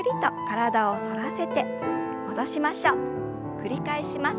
繰り返します。